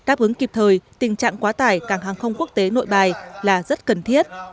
để đảm bảo đáp ứng kịp thời tình trạng quá tải cảng hàng không quốc tế nội bài là rất cần thiết